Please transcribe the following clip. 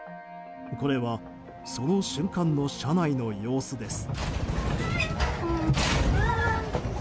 これはその瞬間の車内の様子です。